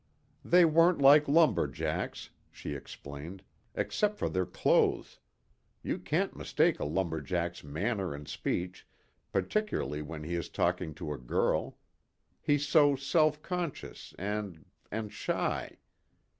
"They weren't like lumber jacks," she explained, "except for their clothes. You can't mistake a lumber jack's manner and speech, particularly when he is talking to a girl. He's so self conscious and and shy.